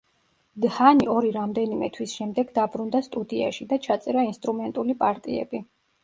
დჰანი ორი რამდენიმე თვის შემდეგ დაბრუნდა სტუდიაში და ჩაწერა ინსტრუმენტული პარტიები.